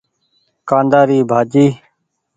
ڪآندآ ري ڀآڃي۔